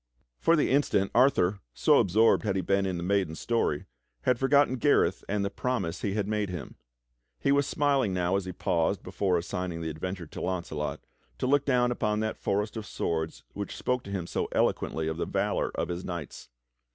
For the instant Arthur, so absorbed had he been in the maiden's story, had forgotten Gareth and the promise he had made him. He 44 THE STORY OF KING ARTHUR was smiling now as he paused before assigning the adventure to Launcelot to look down upon that forest of swords which spoke to him so eloquently of the valor of his knights.